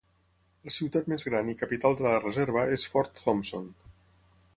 La ciutat més gran i capital de la reserva és Fort Thompson.